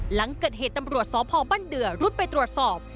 หลังเกิดเหตุตำรวจสพบ้านเดือรุดไปตรวจสอบ